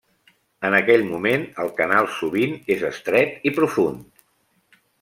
En aquell moment el canal sovint és estret i profund.